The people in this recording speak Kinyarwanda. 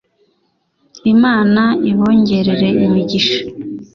Imana ibongerere Imigisha